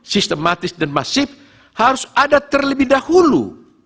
sistematis dan masif harus ada terlebih dahulu